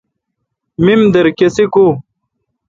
میمدر کسے کو°